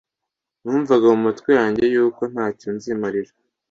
numvaga mu matwi yanjye yuko ntacyo nzimarira,